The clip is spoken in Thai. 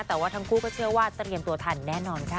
แต่ว่าทั้งคู่ก็เชื่อว่าเตรียมตัวทันแน่นอนค่ะ